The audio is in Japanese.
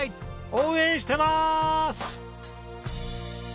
応援してます！